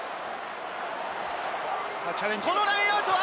このラインアウトは？